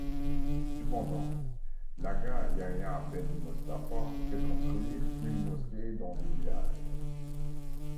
Cependant, l'agha Yahia Ben Mostafa fait construire une mosquée dans le village.